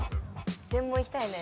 全問いきたいね・